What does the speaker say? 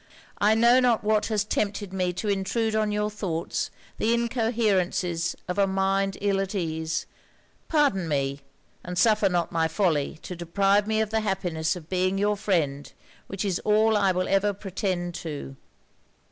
I know not what has tempted me to intrude on your thoughts the incoherences of a mind ill at ease. Pardon me and suffer not my folly to deprive me of the happiness of being your friend, which is all I will ever pretend to.'